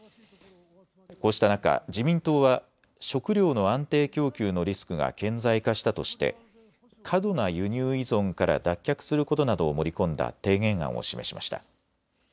こうした中、自民党は食料の安定供給のリスクが顕在化したとして過度な輸入依存から脱却することなどを盛り込んだ提言案を示しました。